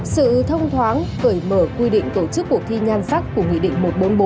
sự thông thoáng cởi mở quy định tổ chức cuộc thi nhan sắc của nghị định một trăm bốn mươi bốn